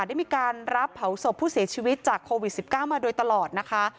ได้มีการรับเผาศพผู้เสียชีวิตจากโควิด๑๙มาโดยตลอดนะคะ